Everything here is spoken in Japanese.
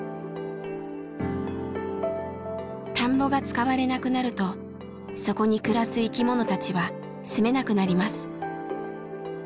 田んぼが使われなくなるとそこに暮らす生きものたちはすめなくなります。